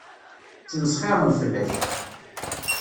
Ttmesxiṛen fell-ak.